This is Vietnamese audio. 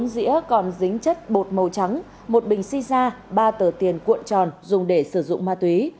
bốn dĩa còn dính chất bột màu trắng một bình xì xa ba tờ tiền cuộn tròn dùng để sử dụng ma túy